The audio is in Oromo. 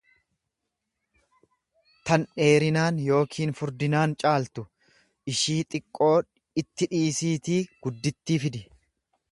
tan dheerinaan yookiin furdinaan caaltu; Ishii xiqqoo itti dhiisiitii guddittii fidi!